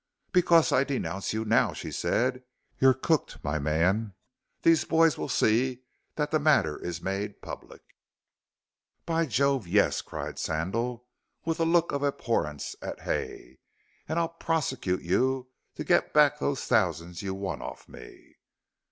"Because I denounce you now," she said; "you're cooked, my man. These boys will see that the matter is made public." "By Jove, yes!" cried Sandal, with a look of abhorrence at Hay, "and I'll prosecute you to get back those thousands you won off me."